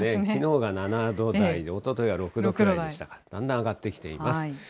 きのうが７度台でおとといが６度台でしたから、だんだん上がってきています。